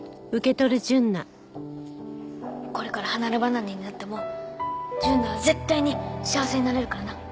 これから離ればなれになっても純奈は絶対に幸せになれるからな。